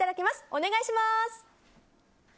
お願いします。